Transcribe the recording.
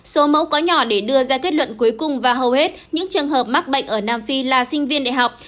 số mẫu có nhỏ để đưa ra kết luận cuối cùng và hầu hết những trường hợp mắc bệnh ở nam phi là sinh viên đại học